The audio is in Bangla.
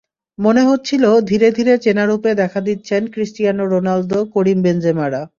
মনে হচ্ছিল, ধীরে ধীরে চেনা রূপে দেখা দিচ্ছেন ক্রিস্টিয়ানো রোনালদো-করিম বেনজেমারা।